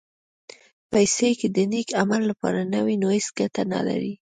پېسې که د نېک عمل لپاره نه وي، نو هېڅ ګټه نه لري.